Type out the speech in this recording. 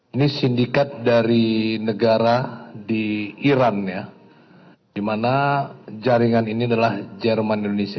ini sindikat dari negara di iran ya di mana jaringan ini adalah jerman indonesia